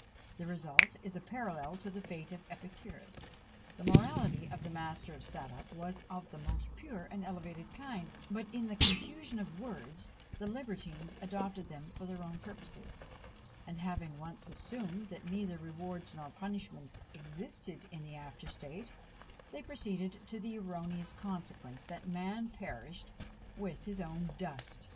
The result is a parallel to the fate of Epicurus. The morality of the master of Sadoc was of the most pure and elevated kind, but in the "confusion of words," the libertines adopted them for their own purposes and having once assumed that neither rewards nor punishments existed in the after state, they proceeded to the erroneous consequence that man perished with his own dust!